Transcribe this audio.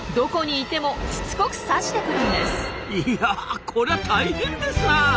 いやこりゃ大変ですなあ。